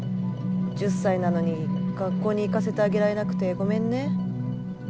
１０歳なのに学校に行かせてあげられなくてごめんね。